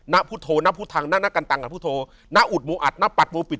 นะพุทธโทย์นะพุทธังนะนะกัณฑังกัณฑุทโทย์นะอุดโหมอัดนะปัดโมงปิด